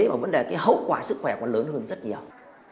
mà vấn đề cái hậu quả sức khỏe còn lớn hơn rất nhiều